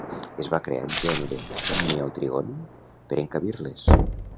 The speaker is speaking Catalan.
Es va crear el gènere Neotrygon per encabir-les